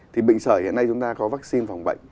thì bệnh sởi hiện nay chúng ta có vaccine phòng bệnh